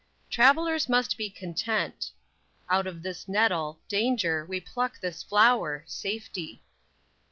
"Travelers must be content." _"Out of this nettle, danger, we pluck this flower, safety."